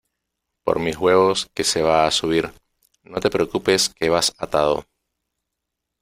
por mis huevos que se va a subir . no te preocupes que vas atado